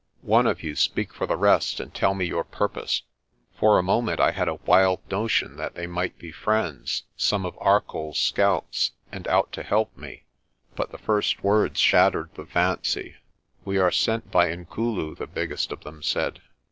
One of you speak for the rest and tell me your purpose." For a moment I had a wild notion that they might be friends, some of ArcolPs scouts, and out to help me. But the first words shattered the fancy. "We are sent by Inkulu," the biggest of them said.